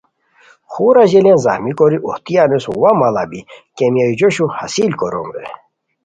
خور اژیلیان زخمی کوری اوہتی انوس وا ماڑا بی کیمیا جوشو حاصل کوروم رے